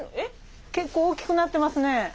結構大きくなってますね。